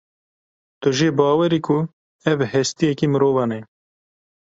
Tu jê bawer î ku ev hestiyekî mirovan e?